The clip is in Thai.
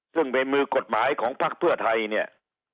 ซึ่งเป็นมือกฎหมายของภักดิ์เพื่อไทยเนี่ย